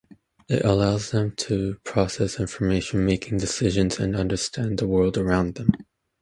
It allows them to process information, make decisions, and understand the world around them.